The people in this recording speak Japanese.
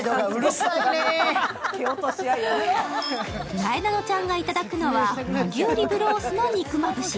なえなのちゃんが頂くのは和牛リブロースの肉まぶし。